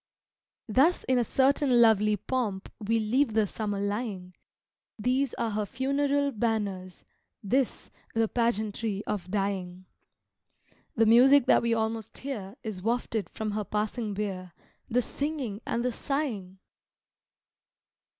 Thus in a certain lovely pomp We leave the Summer lying These are her funeral banners, this The pageantry of dying! The music that we almost hear Is wafted from her passing bier The singing and the sighing!